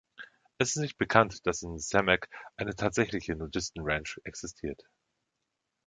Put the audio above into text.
Es ist nicht bekannt, dass in Samak eine tatsächliche Nudistenranch existiert.